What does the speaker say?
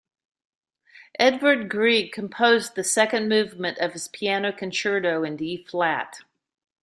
Edvard Grieg composed the second movement of his Piano Concerto in D-flat.